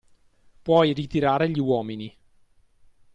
Puoi ritirare gli uomini.